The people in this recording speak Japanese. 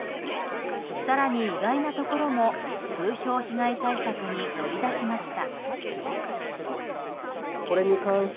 更に意外なところも風評被害対策に乗り出しました。